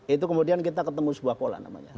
itu kemudian kita ketemu sebuah pola namanya